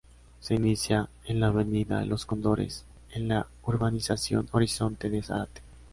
Se inicia en la avenida Los Cóndores, en la urbanización Horizonte de Zárate.